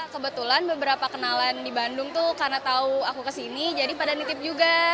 kebetulan beberapa kenalan di bandung tuh karena tahu aku kesini jadi pada nitip juga